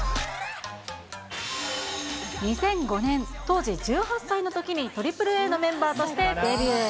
２００５年、当時１８歳のときにＡＡＡのメンバーとしてデビュー。